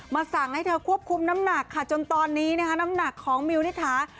สั่งให้เธอควบคุมน้ำหนักค่ะจนตอนนี้นะคะน้ำหนักของมิวนิถา